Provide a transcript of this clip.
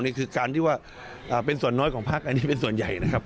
นี่คือการที่ว่าเป็นส่วนน้อยของพักอันนี้เป็นส่วนใหญ่นะครับ